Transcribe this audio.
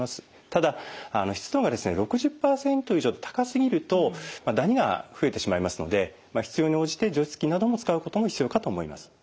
ただ湿度が６０％以上と高すぎるとダニが増えてしまいますので必要に応じて除湿機などを使うことも必要かと思います。